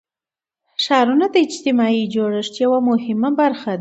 ښارونه د اجتماعي جوړښت یوه مهمه برخه ده.